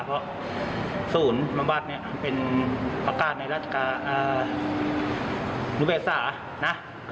เพราะศูนย์มบัดเป็นประกาศในราชิการุบัยสหรอ